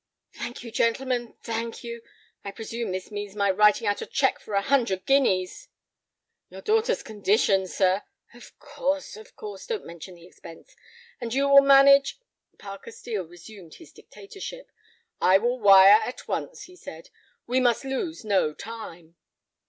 "Thank you, gentlemen, thank you. I presume this means my writing out a check for a hundred guineas." "Your daughter's condition, sir—" "Of course, of course. Don't mention the expense. And you will manage—" Parker Steel resumed his dictatorship. "I will wire at once," he said; "we must lose no time."